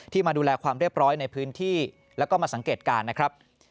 มาดูแลความเรียบร้อยในพื้นที่แล้วก็มาสังเกตการณ์นะครับ